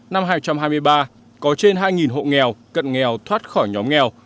năm hai nghìn hai mươi ba có trên hai hộ nghèo cận nghèo thoát khỏi nhóm nghèo